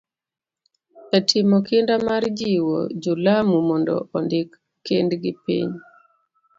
E timo kinda mar jiwo jo Lamu mondo ondik kendgi piny,